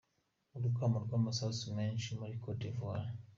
Urwamo rw'amasasu menshi muri Côte d'Ivoire.